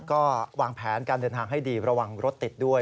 ก็วางแผนการเดินทางให้ดีระวังรถติดด้วย